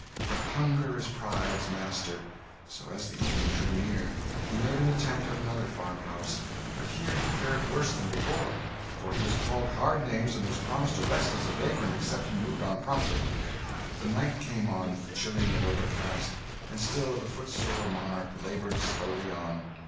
But hunger is pride's master; so, as the evening drew near, he made an attempt at another farmhouse; but here he fared worse than before; for he was called hard names and was promised arrest as a vagrant except he moved on promptly. The night came on, chilly and overcast; and still the footsore monarch laboured slowly on.